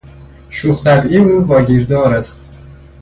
شوخ طبعی او واگیردار است.